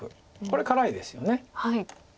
これ辛いですよね。